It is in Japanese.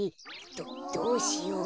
どどうしよう？